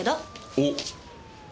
おっ？